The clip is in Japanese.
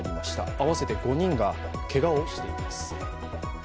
合わせて５人がけがをしています。